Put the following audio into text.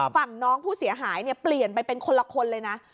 ฝั่งน้องผู้เสียหายเนี่ยเปลี่ยนไปเป็นคนละคนเลยนะ